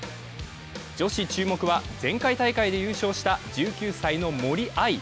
女子注目は前回大会で優勝した１９歳の森秋彩。